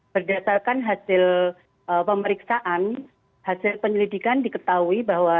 berdasarkan hasil pemeriksaan hasil penyelidikan diketahui bahwa